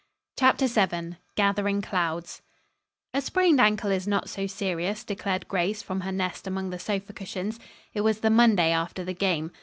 CHAPTER VII GATHERING CLOUDS "A sprained ankle is not so serious," declared Grace from her nest among the sofa cushions. It was the Monday after the game.